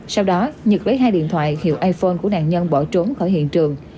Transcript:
sau đó nhật lấy hai điện thoại hiệu iphone của nạn nhân bỏ trốn khỏi hiện trường